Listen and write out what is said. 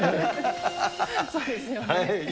そうですね。